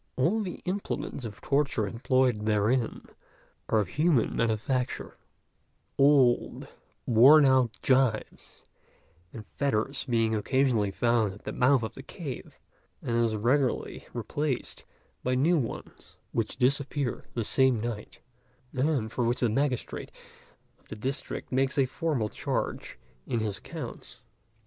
All the implements of torture employed therein are of human manufacture; old, worn out gyves and fetters being occasionally found at the mouth of the cave, and as regularly replaced by new ones, which disappear the same night, and for which the magistrate of the district makes a formal charge in his accounts.